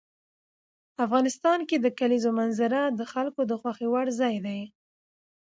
افغانستان کې د کلیزو منظره د خلکو د خوښې وړ ځای دی.